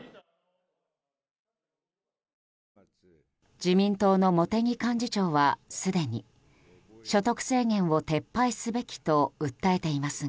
自民党の茂木幹事長は、すでに所得制限を撤廃すべきと訴えていますが。